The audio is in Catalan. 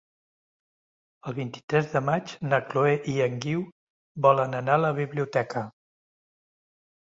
El vint-i-tres de maig na Chloé i en Guiu volen anar a la biblioteca.